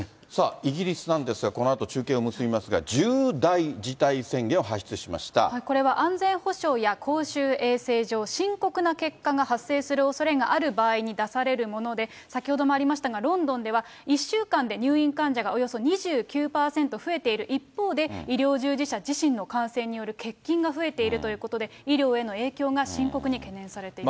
イギリスなんですが、このあと中継を結びますが、これは安全保障や公衆衛生上、深刻な結果が発生するおそれがある場合に出されるもので、先ほどもありましたがロンドンでは、１週間で入院患者がおよそ２９％増えている一方で、医療従事者自身の感染による欠勤が増えているということで、医療への影響が深刻に懸念されています。